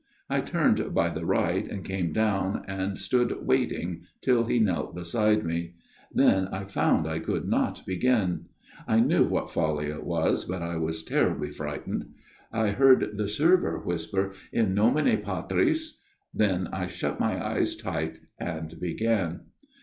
I turned by the right and came down, and stood waiting till he knelt beside me. " Then I found I could not begin. I knew what folly it was, but I was terribly frightened. I heard the server whisper, In nomine Patris. ..." Then I shut my eyes tight ; and began.